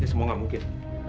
ini semua nggak mungkin